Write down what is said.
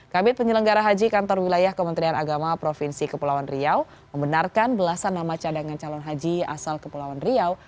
kabit penyelenggara haji kantor wilayah kementerian agama provinsi kepulauan riau membenarkan belasan nama cadangan calon haji asal kepulauan riau